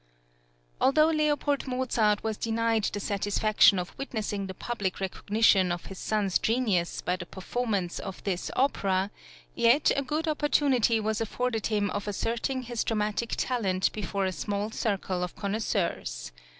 Although L. Mozart was denied the satisfaction of witnessing the public recognition of his son's genius by the performance of this opera, yet a good opportunity was afforded him of asserting his dramatic talent before a small circle of connoisseurs.